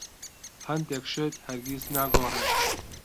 هەندێک شت هەرگیز ناگۆڕێن.